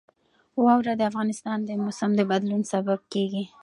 واوره د افغانستان د موسم د بدلون سبب کېږي.